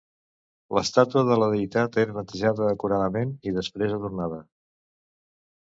L'estàtua de la deïtat era netejada acuradament i després adornada.